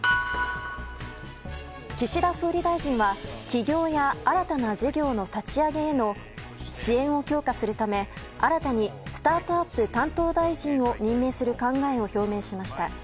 岸田総理大臣は起業や新たな事業の立ち上げへの支援を強化するため新たにスタートアップ担当大臣を任命する考えを表明しました。